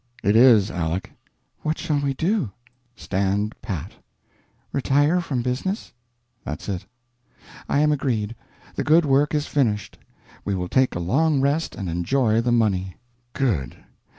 "It is, Aleck." "What shall we do?" "Stand pat." "Retire from business?" "That's it." "I am agreed. The good work is finished; we will take a long rest and enjoy the money." "Good!